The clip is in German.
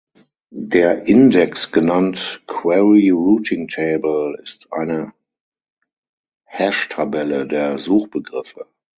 Der Index, genannt "Query Routing Table", ist eine Hashtabelle der Suchbegriffe.